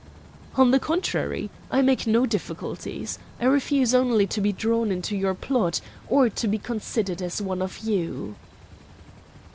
"On the contrary, I make no difficulties. I refuse only to be drawn into your plot, or to be considered as one of you."